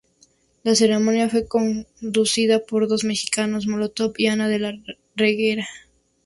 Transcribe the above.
La ceremonia fue conducida por los mexicanos Molotov y Ana de la Reguera.